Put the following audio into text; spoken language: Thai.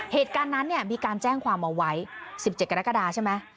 เหตุการณ์นั้นเนี่ยมีการแจ้งความเอาไว้๑๗กรกฎาใช่ไหม